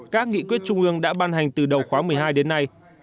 các nghị quyết trung ương đã ban hành từ đầu khóa một mươi hai đến nay